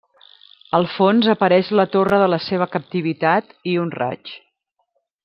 Al fons apareix la torre de la seva captivitat i un raig.